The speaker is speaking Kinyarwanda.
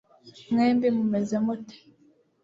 mwembi mumeze mute